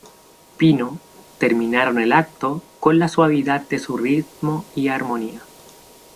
Pino, terminaron el acto, con la suavidad de su ritmo y armonía.